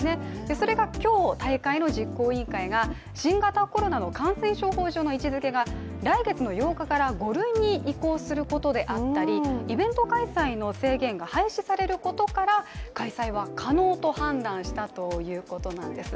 それが今日、大会の実行委員会が新型コロナの感染症法上の位置づけが来月の８日から５類に移行することであったりイベント開催の制限が廃止されることから開催は可能と判断したということなんです。